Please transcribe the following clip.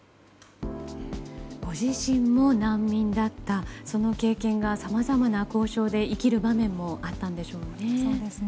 ご自身も難民だったその経験がさまざまな交渉で生きる場面もあったんでしょうね。